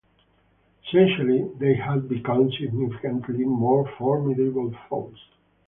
Essentially they had become significantly more formidable foes.